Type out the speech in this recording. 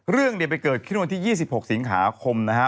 เรื่องเนี่ยไปเกิดขึ้นวันที่๒๖สิงหาคมนะฮะ